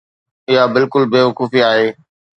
اها بلڪل بيوقوفي آهي.